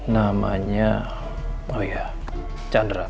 namanya oh iya chandra pak